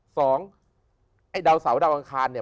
สองไอ้ดาวเสาดาวอังคารเนี่ย